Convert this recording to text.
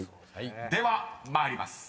［では参ります］